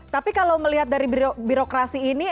tapi kalau melihat dari birokrasi ini